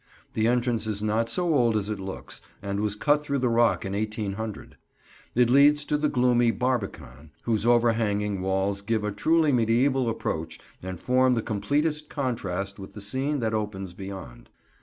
The entrance is not so old as it looks, and was cut through the rock in 1800. It leads to the gloomy Barbican, whose overhanging walls give a truly mediæval approach and form the completest contrast with the scene that opens beyond.